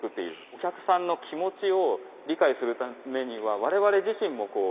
お客さんの気持ちを理解するためには我々自身も動くものを作ると。